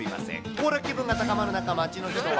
行楽気分が高まる中、街の人は。